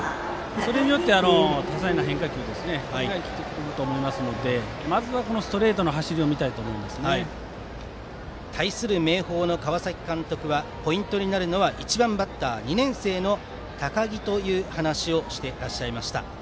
それによって多彩な変化球が生きてくると思いますのでまずストレートの走りを対する明豊の川崎監督はポイントになるのは１番バッター、２年生の高木だと話していらっしゃいました。